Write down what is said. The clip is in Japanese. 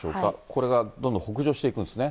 これがどんどん北上していくんですね。